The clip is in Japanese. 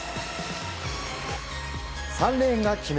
３レーンが木村。